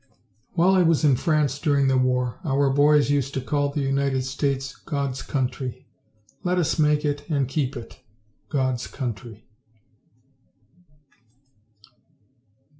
While I was in France during the War our boys used to call the United States "God's country". Let us make it and keep it "God's country".